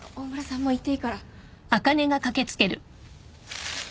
もう行っていいから。